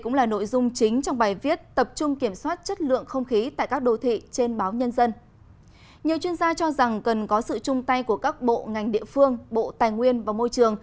nhiều chuyên gia cho rằng cần có sự chung tay của các bộ ngành địa phương bộ tài nguyên và môi trường